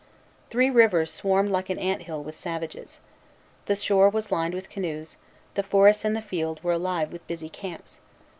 Three Rivers swarmed like an ant hill with savages. The shore was lined with canoes; the forests and the fields were alive with busy camps.